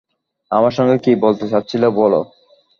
আমার সঙ্গে কী বলতে চাচ্ছিলে বল।